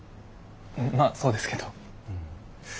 まあそうですけど。